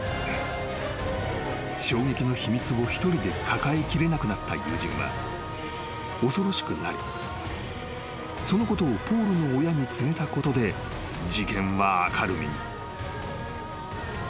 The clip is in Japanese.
［衝撃の秘密を一人で抱えきれなくなった友人は恐ろしくなりそのことをポールの親に告げたことで事件は明るみに］